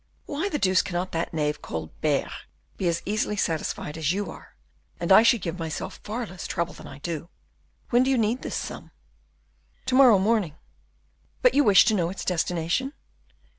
Why the deuce cannot that knave Colbert be as easily satisfied as you are and I should give myself far less trouble than I do. When do you need this sum?" "To morrow morning; but you wish to know its destination?"